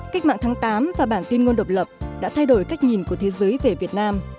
cách mạng tháng tám và bản tin ngôn độc lập đã thay đổi cách nhìn của thế giới về việt nam